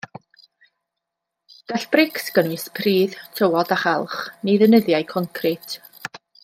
Gall brics gynnwys pridd, tywod a chalch, neu ddeunyddiau concrit.